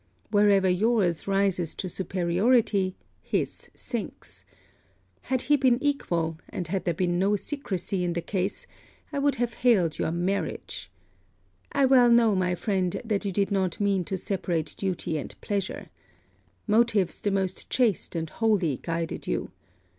Wherever your's rises to superiority his sinks. Had he been equal, and had there been no secresy in the case, I would have hailed your marriage. I well know, my friend, that you did not mean to separate duty and pleasure. Motives the most chaste and holy guided you.